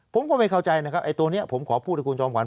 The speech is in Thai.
ผมก็ไม่เข้าใจนะครับไอ้ตัวนี้ผมขอพูดให้คุณจอมขวั